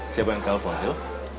siapa yang telepon hil